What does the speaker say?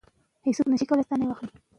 هدف ته رسیدل اسانه نه دي.